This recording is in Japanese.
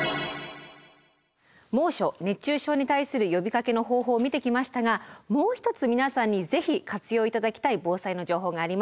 猛暑熱中症に対する呼びかけの方法を見てきましたがもう一つ皆さんにぜひ活用頂きたい防災の情報があります。